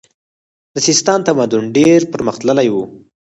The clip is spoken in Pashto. د سیستان تمدن ډیر پرمختللی و